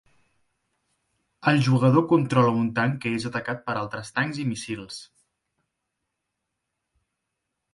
El jugador controla un tanc que és atacat per altres tancs i míssils.